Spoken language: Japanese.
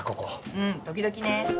うん時々ね。